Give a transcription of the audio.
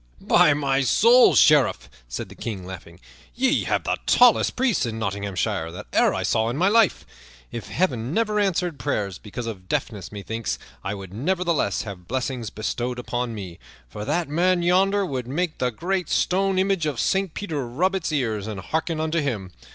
"By my soul, Sheriff," said the King, laughing, "ye have the tallest priests in Nottinghamshire that e'er I saw in all my life. If Heaven never answered prayers because of deafness, methinks I would nevertheless have blessings bestowed upon me, for that man yonder would make the great stone image of Saint Peter rub its ears and hearken unto him.